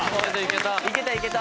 いけたいけた。